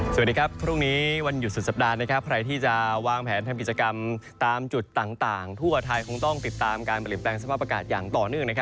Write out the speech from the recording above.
สวัสดีครับพรุ่งนี้วันหยุดสุดสัปดาห์ใครที่จะวางแผนทำกิจกรรมตามจุดต่างทั่วไทยคงต้องติดตามการเปลี่ยนแปลงสภาพอากาศอย่างต่อเนื่อง